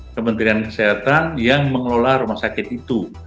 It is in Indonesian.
kementerian kesehatan yang mengelola rumah sakit itu